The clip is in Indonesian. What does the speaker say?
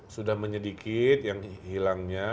sudah menyedikit yang hilangnya